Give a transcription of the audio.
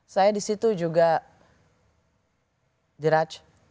saya disitu juga diraj